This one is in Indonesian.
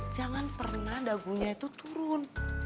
jangan pernah dagunya itu turun